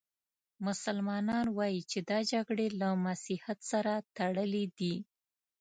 مسلمانان وايي چې دا جګړې له مسیحیت سره تړلې دي.